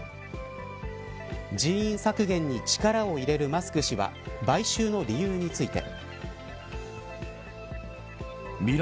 人員削減に力を入れるマスク氏は買収の理由について。